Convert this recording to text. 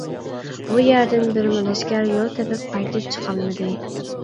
بۇ يەردىن بىرمۇ لەشكەر يول تېپىپ قايتىپ چىقالمىدى.